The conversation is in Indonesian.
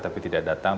tapi tidak datang